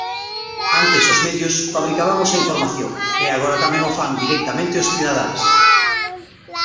Antes os medios fabricabamos a información, e agora tamén o fan directamente os cidadáns.